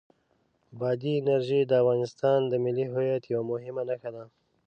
بادي انرژي د افغانستان د ملي هویت یوه مهمه نښه ده.